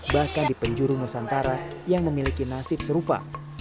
bahkan di penjuru nusantara yang memiliki nasib serupa